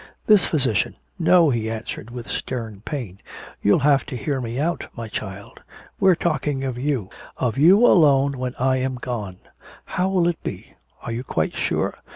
This physician " "No," he answered with stern pain, "you'll have to hear me out, my child. We're talking of you of you alone when I am gone. How will it be? Are you quite sure?